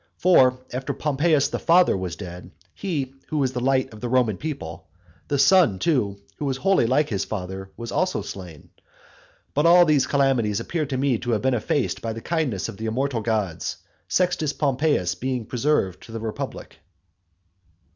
For after Pompeius the father was dead, he who was the light of the Roman people, the son too, who was wholly like his father, was also slain. But all these calamities appear to me to have been effaced by the kindness of the immortal gods, Sextus Pompeius being preserved to the republic.